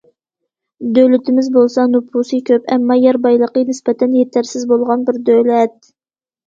دۆلىتىمىز بولسا نوپۇسى كۆپ، ئەمما يەر بايلىقى نىسبەتەن يېتەرسىز بولغان بىر دۆلەت.